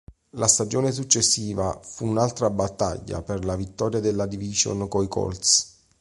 La stagione successiva fu un'altra battaglia per la vittoria della division coi Colts.